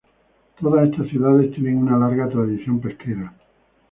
Todas estas ciudades tienen una larga tradición pesquera.